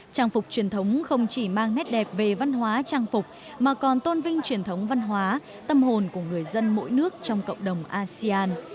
trang phục truyền thống không chỉ mang nét đẹp về văn hóa trang phục mà còn tôn vinh truyền thống văn hóa tâm hồn của người dân mỗi nước trong cộng đồng asean